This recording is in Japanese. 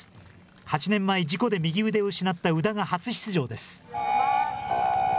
８年前、事故で右腕を失った宇田が初出場です。